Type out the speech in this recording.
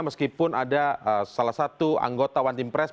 meskipun ada salah satu anggota one team press